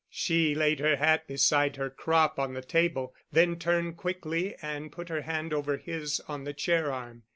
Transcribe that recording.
She laid her hat beside her crop on the table, then turned quickly and put her hand over his on the chair arm.